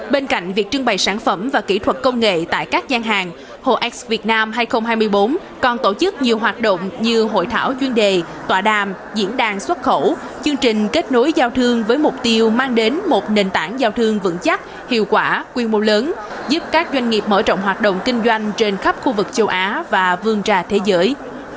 bên cạnh việc trưng bày sản phẩm và kỹ thuật công nghệ tại các gian hàng hồ x việt nam hai nghìn hai mươi bốn còn tổ chức nhiều hoạt động như hội thảo chuyên đề tòa đàm diễn đàn xuất khẩu chương trình kết nối giao thương với mục tiêu mang đến một nền tảng giao thương vững chắc hiệu quả quy mô lớn giúp các doanh nghiệp mở rộng hoạt động kinh doanh trên khắp khu vực châu á và vương trà thế giới